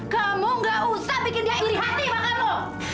kamu gak usah bikin dia iri hati sama kamu